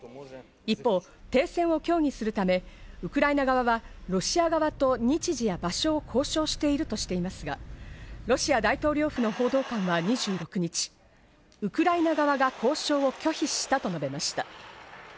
一方、停戦を協議するため、ウクライナ側はロシア側と日時や場所を交渉しているとしていますが、ロシア大統領府の報道官は２９日、ウクライナ側が交渉を拒否したと述べました。